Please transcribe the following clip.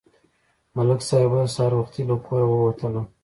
ملک صاحب ویل: سهار وختي له کوره ووتلم.